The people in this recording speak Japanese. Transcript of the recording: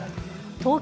東京